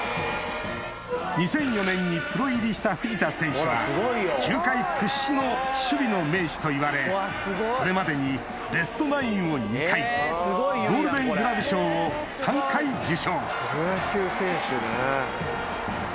２００４年にプロ入りした藤田選手は球界屈指の守備の名手といわれこれまでにベストナインを２回ゴールデングラブ賞を３回受賞プロ野球選手ね。